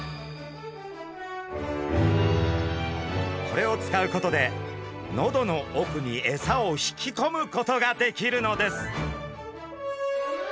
これを使うことで喉の奥にエサを引きこむことができるのです。